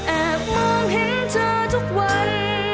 แอบมองเห็นเธอทุกวัน